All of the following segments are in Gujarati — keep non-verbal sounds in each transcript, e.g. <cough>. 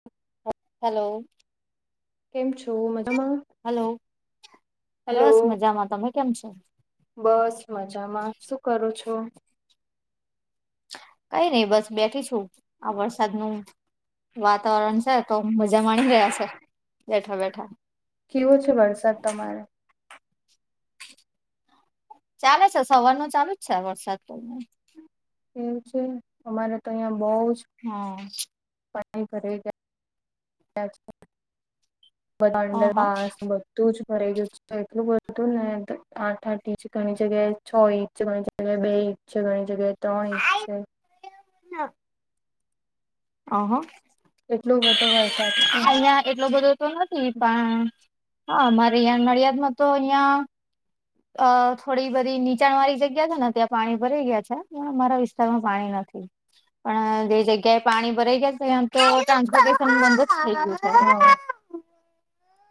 <inaudible> હાલો. કેમ છો? મજામાં હાલો હેલો બસ મજામાં તમે કેમ છો? બસ મજામાં શું કરું છો? કઈ નઈ બસ બેઠી છું. આ વરસાદ નું વાતાવરણ છે તો મજા માણી રહ્યા છે, બેઠા-બેઠા. કેવો છે વરસાદ તમારે? ચાલે છે સવાર નો ચાલુ જ છે વરસાદ પડને. એવું છે અમારે તો અહિયાં બહ જ હા. <inaudible> અહ અંડરપાસ બધુ. તું જ ભરાઈ ગયું એટલું બધું ને આઠ આઠ ઇંચ ઘણી જગ્યાએ છ ઇંચ ઘણી અને બે ઇંચ છે ઘણી જગ્યાએ ત્રણ ઇંચ છે. ના. અહા. એટલો બધો વરસાદ છે. એટલો બધો તો નથી પણ હા અમારે અહીં નડિયાદમાં તો અહિયાં અ થોડી બધી નીચાણ વાળી જગ્યા છે ને ત્યાં પાણી ભરાઈ ગયા છે પણ અમારા વિસ્તારમાં પાણી નથી. પણ જે જગ્યાએ પાણી ભરાઈ ગયા છે તો ટ્રાન્સપોર્ટેન બંધ જ થઈ ગયું. હા.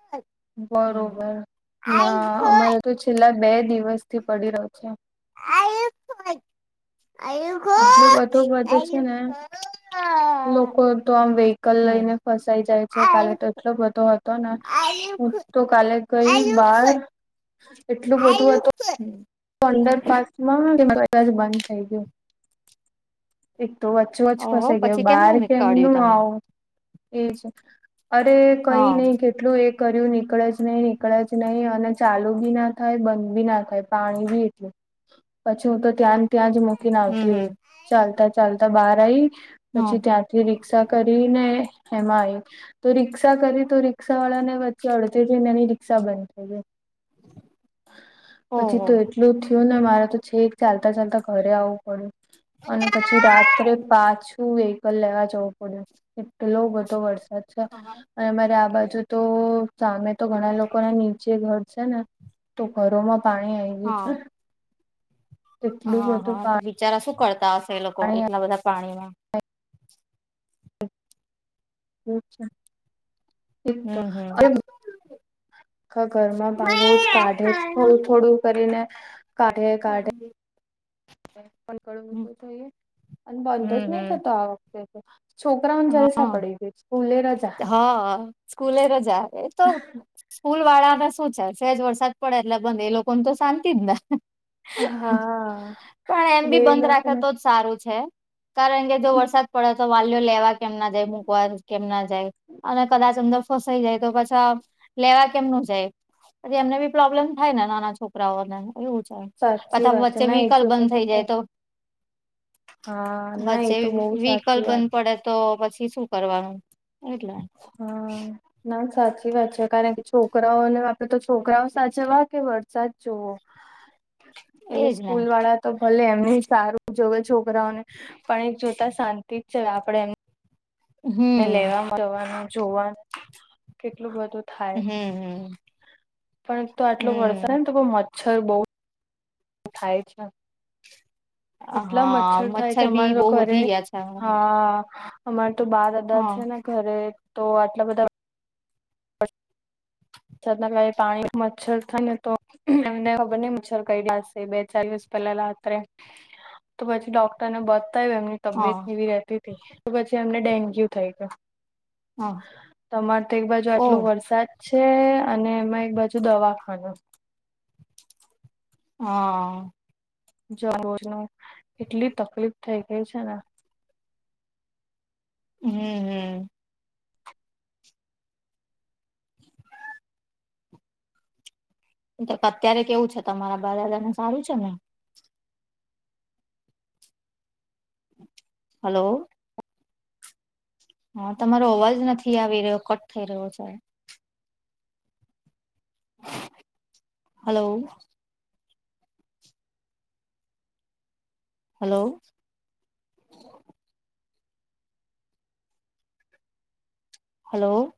<inaudible> બરોબર, ના અમારે તો છેલ્લા બે દિવસથી પડી રહ્યો છે. <inaudible> આયુ. એટલો બધો વધે છે ને લોકો તો આમ વિહકલ લઈને ફસાઈ જાય છે કાલે તો એટલો બધો હતો ને. હું તો કાલે ગઈ બાર એટલું બધું હતું હ અંડરપાસમાં બધા જ બંધ થઈ ગયું. એક તો વચ્ચું વચ જ ઓહો ફસે ગયો પછી બહાર કેમનું નીકાળ્યું કેમનું તમે આવું? એ છે અરે કઈ હા નહી કેટલું એક કર્યું નીકળે જ નહી નીકળે જ નહી અને ચાલુ બી ના થાય બંધ બી ના થાય. પાણી બી એટલુ પછી હું તો ત્યાં ત્યાં જ મૂકીને હમ આવતી હમ. રહી. ચાલતા ચાલતા બહાર આવીઈ હા પછી ત્યાંથી રિક્ષા કરી ને એમાં આવી. તો રિક્ષા કરી તો રિક્ષા વાળા ને વચ્ચે અડધે જને એની રીક્ષા બંધ થઈ ગઈ. પછી ઓહો. તો એટલું થયું ને મારે તો છેક ચાલતા ચાલતા ઘરે આવવું પડ્યું. અને પછી રાત્રે પાછું વેહિકલ લેવા જવું પડ્યું. એટલો બધો વરસાદ છે. અને અમારે આ બાજુ તો સામે તો ઘણા લોકો ના નીચે ઘર છે ને. તો ઘરોમાં પાણી આવી ગયું હા છે. એટલું હા બધું હા તો બિચારા શું કરતા હશે એ લોકો પાણી એટલા બધા પાણીમાં? એવું છે. એક તો હમ્મ, હમ્મ. અરે આખા ઘરમાં પાણી રોજ કાઢે જ થોડું થોડું કરીને કાઢે કાઢે. ક હમ તો થઈ અને હમ બંધ જ નહી હમ થતો આ વખતે. તો છોકરાઓને જલસા હા, પડી ગઈ સ્કૂલે રજા હા, સ્કૂલે રજા એ તો સ્કૂલ વાળાને શું છે શેજ વરસાદ પડે એટલે બંધ એ લોકો ને તો શાંતિ જ ને. હા પણ એમ એટલે બી એ બંધ રાખ લોકોને તો જ સારું છે કારણ કે જો વરસાદ પડે તો વાલીઓ લેવા કેમ ના જાય મૂકવા કેમ ના જાય અને કદાચ અંદર ફસાઈ જાય તો પાછા લેવા કેમનું જાય. પછી એમને બી પ્રોબ્લેમ થાય ને નાના છોકરાઓને એવું છે. સાચી પાછા વાત છે વચ્ચે ના એક વિહિકલ જોતા બંધ થઇ જાય તો હા ના એ વચ્ચે તો બહુ વ્હીકલ સાચી વાત બંધ પડે તો પછી શું કરવાનું એટલે. હા ના સાચી વાત છે. કારણ કે છોકરાઓને આપડે તો છોકરાઓ સાચવવા કે વરસાદ જોવો. એટલે એજ ને સ્કૂલ વાળા તો ભલે એમને સારું જોવે છોકરાઓને પણ એક જોતા શાંતિ જ છે આપણે એમ. એને હમ લેવા જવાનું, જોવાનું કેટલું બધું હમ થાય. હમ પણ એક તો આટલો હમ વરસાદને તો મચ્છર બહુ થાય છે. એટલા હા મચ્છર થાય છે બી અમારે તો બહુ ઘરે વધી ગયા છે હમણાં. હા. અમારે તો બાર અદા હા છે ને ઘરે તો આટલા બધા છતના કાઈ પાણી મચ્છર થાય ને તો એમને ખબર નઈ મચ્છર કરડ્યા હશે બે ચાર દિવસ પેલા રાત્રે તો પછી ડોક્ટરને બતાયુ એમની તબિયત હા કેવી રેતીતી તો પછી એમને ડેન્ગ્યુ થઈ ગયો. હા તમારે તો એકબાજુ આટલો ઓહ વરસાદ તે અને એમાં એકબાજુ દવાખાનું. હા જ રોજનું એટલી તકલીફ થઇ ગઈ છે ને. હમ હમ તો અત્યારે કેવું છે તમારા બા દાદા ને સારું છે ને? હલો હા તમારો અવાજ નથી આવી રહ્યો. કટ થઈ રહ્યો છે. Hello hello hello